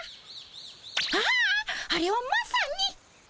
あああれはまさに。